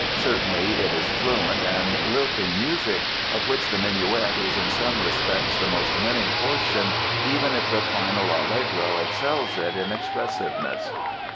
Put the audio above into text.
Certainly it is fluent and lilting music, of which the Minuet is in some respects the most winning portion even if the final Allegro excels it in expressiveness.